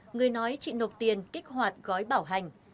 người nói chị nộp tiền kích hoạt gói bảo hành